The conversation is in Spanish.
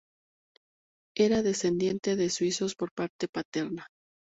Era descendiente de suizos por parte paterna.